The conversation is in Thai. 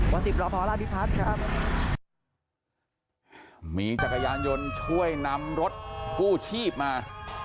สิบรอพอราชพิพัฒน์ครับมีจักรยานยนต์ช่วยนำรถกู้ชีพมา